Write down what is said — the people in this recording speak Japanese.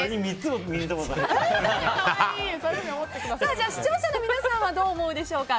じゃあ視聴者の皆さんはどう思うでしょうか。